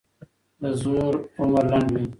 د زور عمر لنډ وي